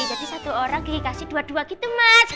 jadi satu orang kiki kasih dua dua gitu mas